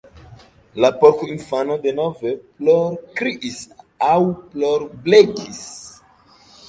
La porkinfano denove plorkriis aŭ plorblekis.